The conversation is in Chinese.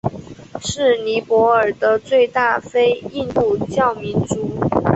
是尼泊尔的最大非印度教民族。